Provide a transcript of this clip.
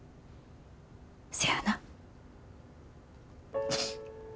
せやな。